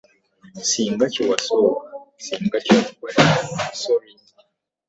Ssinga kye wasooka ssinga kyaggwa dda.